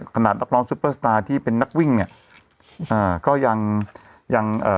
นักร้องซุปเปอร์สตาร์ที่เป็นนักวิ่งเนี้ยอ่าก็ยังยังยังเอ่อ